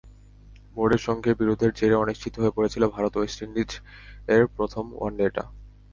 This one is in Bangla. বোর্ডের সঙ্গে বিরোধের জেরে অনিশ্চিত হয়ে পড়েছিল ভারত-ওয়েস্ট ইন্ডিজের প্রথম ওয়ানডেটা।